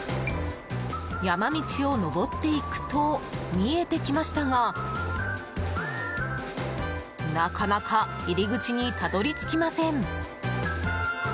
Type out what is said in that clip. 山道を登っていくと見えてきましたがなかなか入り口にたどり着きません。